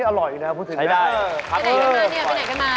ไปได้ไหมแล้วไปไหนกันมา